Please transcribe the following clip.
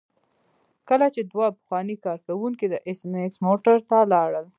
کله چې دوه پخواني کارکوونکي د ایس میکس موټر ته لاړل